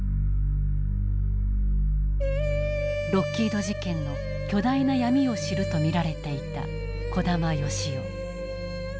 ロッキード事件の巨大な闇を知ると見られていた児玉誉士夫。